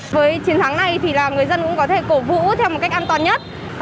với chiến thắng này thì là người dân cũng có thể cổ vũ theo một cách an toàn nhất